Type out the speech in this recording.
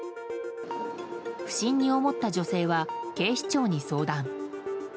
不審に思った女性は警視庁に相談。